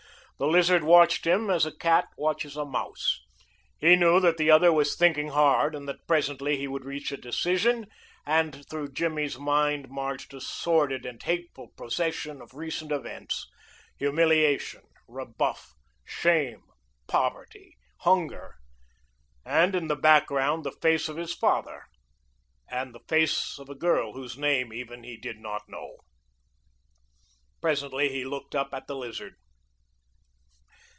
The Lizard watched him as a cat watches a mouse. He knew that the other was thinking hard, and that presently he would reach a decision, and through Jimmy's mind marched a sordid and hateful procession of recent events humiliation, rebuff, shame, poverty, hunger, and in the background the face of his father and the face of a girl whose name, even, he did not know. Presently he looked up at the Lizard.